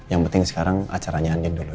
yang penting sekarang acaranya andien dulu ya